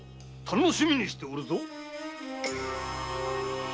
楽しみにしておるぞ。